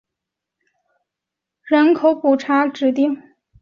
自由亩是位于美国亚利桑那州希拉县的一个人口普查指定地区。